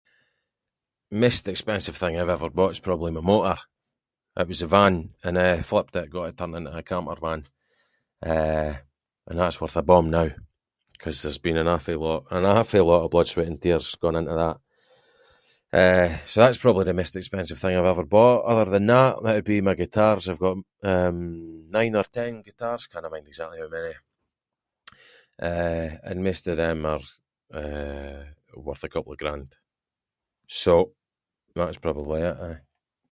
Maist expensive thing I’ve ever bought’s probably my motor. It was the van, and I flipped it, got it turned into a campervan, eh, and that’s worth a bomb now, ‘cause there’s been an awfu' lot of- an awfu' lot of blood, sweat and tears gone into that. Eh, so that’s probably the maist expensive thing I’ve ever bought, other than that, that’d be my guitars, I’ve got, eh, nine or ten guitars, cannae mind exactly how many, eh, and maist of them are, eh, worth a couple of grand. So, that’s probably it, aye.